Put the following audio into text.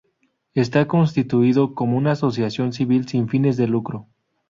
Está constituido como una Asociación Civil sin fines de lucro.